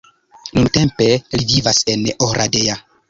Nuntempe li vivas en Oradea.